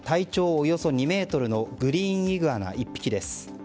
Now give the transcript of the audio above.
およそ２ｍのグリーンイグアナ１匹です。